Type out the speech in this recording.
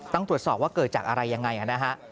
ต้องตรวจสอบว่าเกิดจากอะไรยังไงนะฮะ